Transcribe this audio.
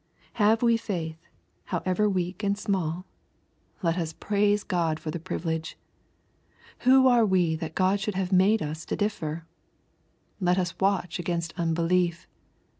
— Have we failh, however weak 2* S4 EXPOSITORY THOUGHTS. and small ? Let us praise God for the privilege. Who are we that God should have made us to differ ? Let us watch against unbelief.